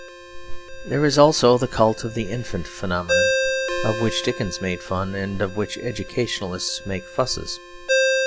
There is also the cult of the Infant Phenomenon, of which Dickens made fun and of which educationalists make fusses.